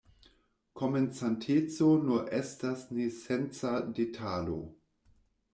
Komencanteco nur estas nesenca detalo.